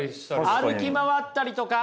歩き回ったりとか！